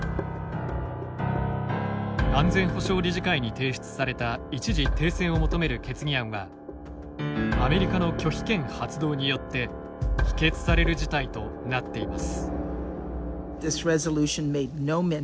安全保障理事会に提出された一時停戦を求める決議案はアメリカの拒否権発動によって否決される事態となっています。